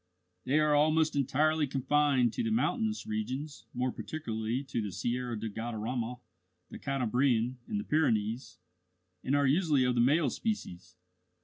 They are there almost entirely confined to the mountainous regions (more particularly to the Sierra de Guadarrama, the Cantabrian, and the Pyrenees), and are usually of the male species.